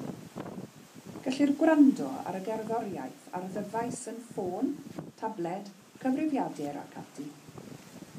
Gellir gwrando ar y gerddoriaeth ar ddyfais, yn ffôn, tabled, cyfrifiadur ac ati.